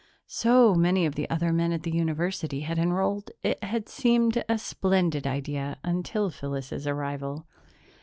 So many of the other men at the university had enrolled, it had seemed a splendid idea until Phyllis's arrival.